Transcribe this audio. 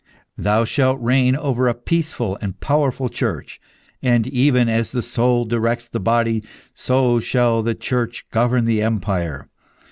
Thou shalt reign over a peaceful and powerful Church. And, even as the soul directs the body, so shall the Church govern the empire.